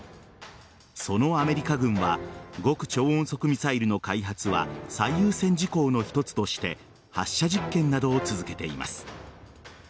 そのアメリカ軍は極超音速ミサイルの開発は最優先事項の一つとして発射実験などを続けています。